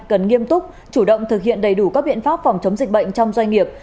cần nghiêm túc chủ động thực hiện đầy đủ các biện pháp phòng chống dịch bệnh trong doanh nghiệp